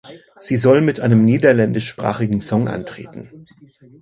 Sie soll mit einem niederländischsprachigen Song antreten.